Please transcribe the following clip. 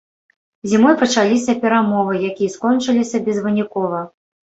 Зімой пачаліся перамовы, якія скончыліся безвынікова.